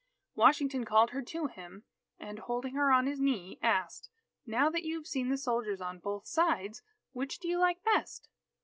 Washington called her to him, and holding her on his knee, asked: "Now that you have seen the soldiers on both sides, which do you like best?"